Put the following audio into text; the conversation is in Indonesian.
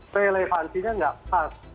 relevansinya tidak pas